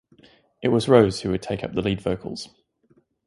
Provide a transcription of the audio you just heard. It was Rose who would take up the lead vocals.